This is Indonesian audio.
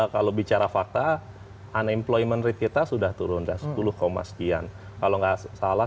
kalau bicara fakta unemployment rate kita sudah turun sepuluh sekian kalau nggak salah